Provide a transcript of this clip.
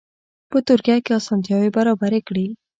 په ترکیه کې اسانتیاوې برابرې کړي.